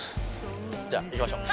じゃあ行きましょう。